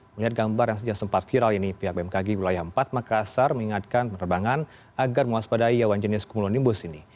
melihat gambar yang sempat viral ini pihak bmkg wilayah empat makassar mengingatkan penerbangan agar mewaspadai hewan jenis kumulonimbus ini